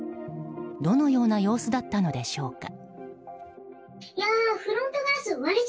どのような様子だったのでしょうか。